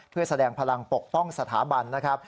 เพื่อแสดงพลังปกป้องสถาบัน